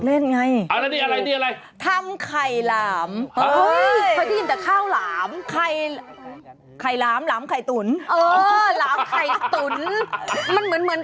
เออเขาอยากเล่นไง